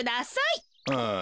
ああ。